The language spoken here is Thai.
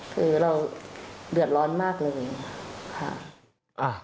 คือเราเดือดร้อนมากเลยค่ะ